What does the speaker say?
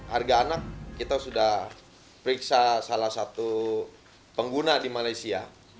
harga anak kita sudah periksa salah satu pengguna di malaysia